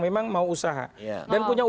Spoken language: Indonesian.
memang mau usaha dan punya